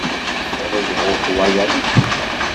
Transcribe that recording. Ɣileɣ ur twalaḍ acemma.